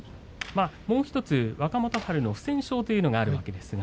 もう１つ若元春の不戦勝というのもあります。